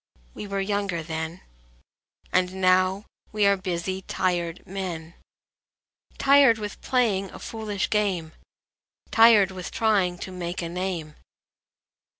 We were younger then, And now we are busy, tired men: Tired with playing a foolish game, Tired with trying to make a name.